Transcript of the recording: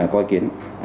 có ý kiến